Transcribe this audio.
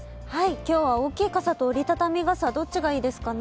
今日は大きい傘と折り畳み傘どっちがいいですかね。